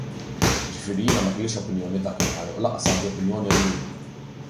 Jiġifieri jiena ma kellix opinjoni dakinhar u lanqas għandi opinjoni llum.